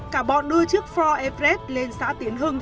cả bọn đưa chiếc ford everest lên xã tiến hưng